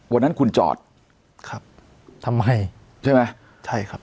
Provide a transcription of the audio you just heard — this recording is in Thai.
วันนั้นคุณจอดครับทำไมใช่ไหมใช่ครับ